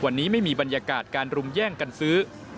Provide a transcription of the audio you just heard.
วันนี้ไม่มีบรรยากาศการรุมแย่งกันซื้อ